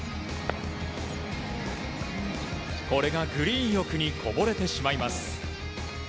これがグリーン奥にこぼれてしまいます。